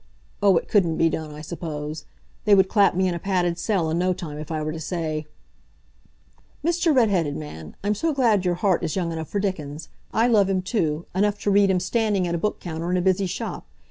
Oh, it couldn't be done, I suppose. They would clap me in a padded cell in no time if I were to say: "Mister Red headed Man, I'm so glad your heart is young enough for Dickens. I love him too enough to read him standing at a book counter in a busy shop.